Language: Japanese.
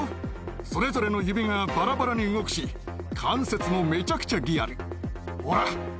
それぞれの指がばらばらに動くし、関節もめちゃくちゃリアル。